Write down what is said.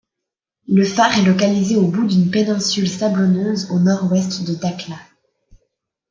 Le phare est localisé au bout d'une péninsule sablonneuse au nord-ouest de Dakhla.